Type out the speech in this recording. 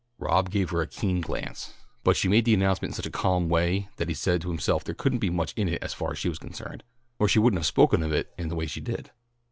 Rob gave her a keen glance, but she made the announcement in such a calm way that he said to himself there couldn't be much in it as far as she was concerned, or she wouldn't have spoken of it in the way she did.